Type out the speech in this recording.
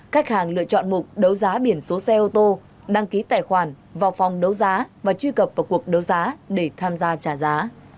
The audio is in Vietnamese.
khách hàng lựa chọn mục đấu giá biển số xe ô tô đăng ký tài khoản vào phòng đấu giá và truy cập vào cuộc đấu giá để tham gia trả giá